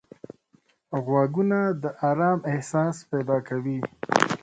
غوږونه د آرام احساس پیدا کوي